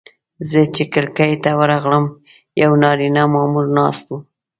زه چې کړکۍ ته ورغلم یو نارینه مامور ناست و.